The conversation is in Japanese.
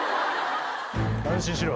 安心しろ。